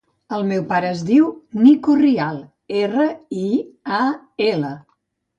El meu pare es diu Niko Rial: erra, i, a, ela.